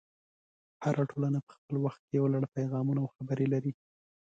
هره ټولنه په خپل وخت کې یو لړ پیغامونه او خبرې لري.